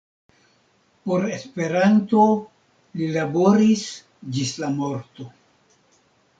Por Esperanto li laboris ĝis la morto.